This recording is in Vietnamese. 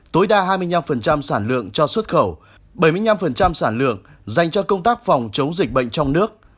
tối đa hai mươi năm sản lượng cho xuất khẩu bảy mươi năm sản lượng dành cho công tác phòng chống dịch bệnh trong nước